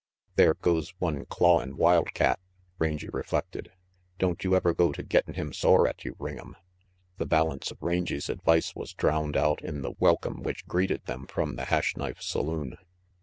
"There goes one clawin' wildcat," Rangy reflected. "Don't you ever go to gettin' him sore at you, Ring'em The balance of Rangy 's advice was drowned out in the welcome which greeted them from the Hash Knife saloon.